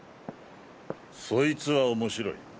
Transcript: そいつは面白い。